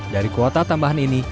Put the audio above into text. dari kuota tambahan ini